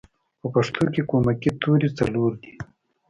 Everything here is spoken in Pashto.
په پښتو کې کومکی توری څلور دی